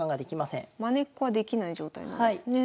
まねっこはできない状態なんですね。